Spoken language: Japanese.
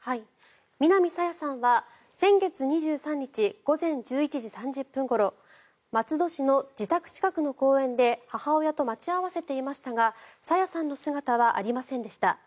南朝芽さんは先月２３日午前１１時３０分ごろ松戸市の自宅近くの公園で母親と待ち合わせていましたが朝芽さんの姿はありませんでした。